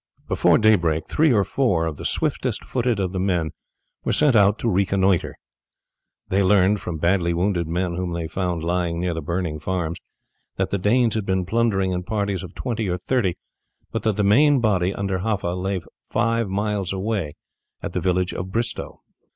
Before daybreak three or four of the swiftest footed of the men were sent out to reconnoitre. They learned, from badly wounded men whom they found lying near the burning farms, that the Danes had been plundering in parties of twenty or thirty, but that the main body under Haffa lay five miles away at the village of Bristowe.